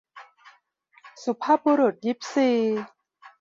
สุภาพบุรุษยิปซี